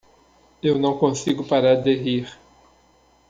Eu não consigo parar de rir.